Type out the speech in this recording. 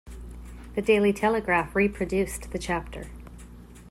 The "Daily Telegraph", reproduced the chapter.